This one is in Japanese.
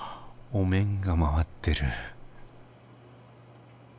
お面が回ってる。